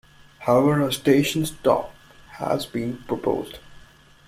However, a station stop has been proposed.